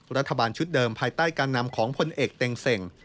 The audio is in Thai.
รัฐบาลชุดเดิมภายใต้การนำของพลเอกเต็งเซ็ง